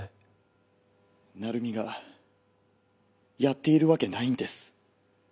成美がやっているわけないんです。